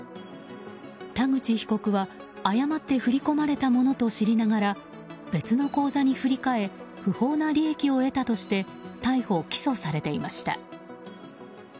田口被告は誤って振り込まれたものと知りながら別の口座に振り替え不法な利益を得たとして逮捕・起訴されていました。